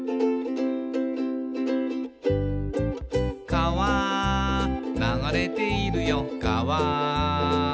「かわ流れているよかわ」